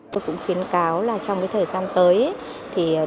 tôi cũng khuyến cáo là trong thời gian tới